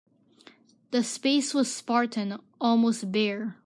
The space was spartan, almost bare.